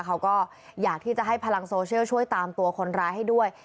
เขาก็อยากที่จะให้พลังโซเชียลช่วยตามตัวคนร้ายให้ด้วย